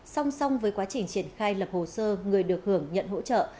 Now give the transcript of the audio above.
song song với quá trình triển khai lập hồ sơ người được hưởng nhận hỗ trợ